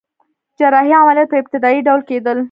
جراحي عملیات په ابتدایی ډول کیدل